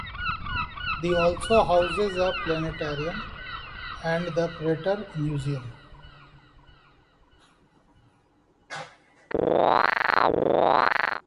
The also houses a planetarium and the Prater Museum.